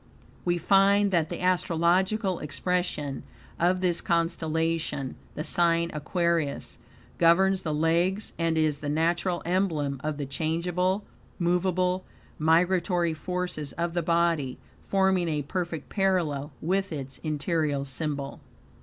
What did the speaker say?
We find that the astrological expression of this constellation, the sign Aquarius, governs the legs, and is the natural emblem of the changeable, moveable, migratory forces, of the body, forming a perfect parallel with its interior symbol.